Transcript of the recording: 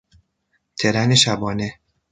ترن شبانه